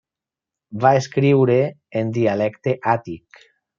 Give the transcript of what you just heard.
Va escriure en dialecte àtic.